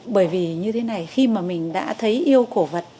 bởi vì như thế này khi mà mình đã thấy yêu cổ vật